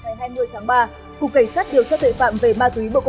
ngày hai mươi tháng ba cục cảnh sát hiểu cho tội phạm về ma túy bộ công an